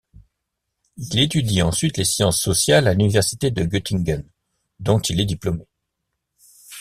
Il étudie ensuite les sciences sociales à l'Université de Göttingen, dont il est diplômé.